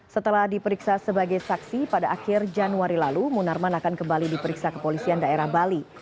setelah diperiksa sebagai saksi pada akhir januari lalu munarman akan kembali diperiksa kepolisian daerah bali